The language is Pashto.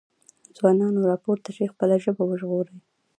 ځوانانو راپورته شئ خپله ژبه وژغورئ۔